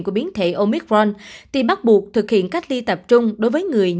của biến thể omicron thì bắt buộc thực hiện cách ly tập trung đối với người nhập cảnh